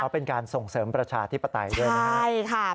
เป็นการส่งเสริมประชาธิปไตยด้วยนะครับ